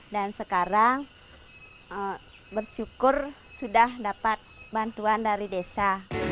dan sekarang bersyukur sudah dapat bantuan dari desa